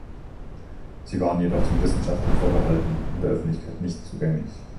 Sie waren jedoch den Wissenschaftlern vorbehalten und der Öffentlichkeit nicht zugänglich.